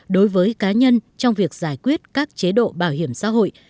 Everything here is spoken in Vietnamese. đối với cá nhân trong việc giải quyết các chế độ bảo hiểm xã hội